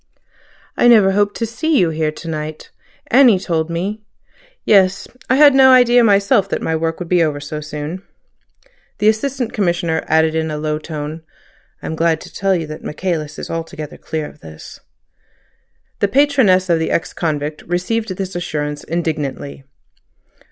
"I never hoped to see you here to night. Annie told me—" "Yes. I had no idea myself that my work would be over so soon." The Assistant Commissioner added in a low tone: "I am glad to tell you that Michaelis is altogether clear of this—" The patroness of the ex convict received this assurance indignantly.